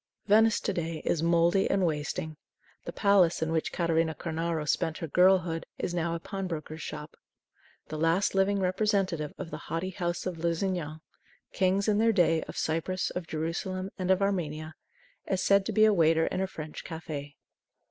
Venice to day is mouldy and wasting. The palace in which Catarina Cornaro spent her girlhood is now a pawnbroker's shop. The last living representative of the haughty house of Lusignan Kings, in their day, of Cyprus, of Jerusalem, and of Armenia is said to be a waiter in a French cafe.